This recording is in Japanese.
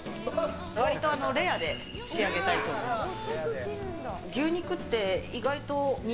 割とレアで仕上げたいと思います。